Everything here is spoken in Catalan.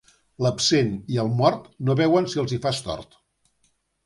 L'absent i el mort no veuen si els hi fas tort.